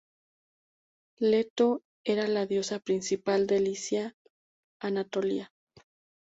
Leto era la diosa principal de la Licia anatolia.